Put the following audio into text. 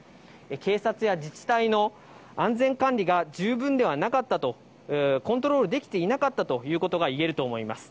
警察や自治体の、安全管理が十分ではなかったと、コントロールできていなかったということが言えると思います。